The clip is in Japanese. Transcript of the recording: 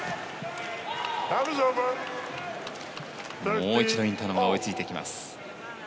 もう一度、インタノンが追いついてきます。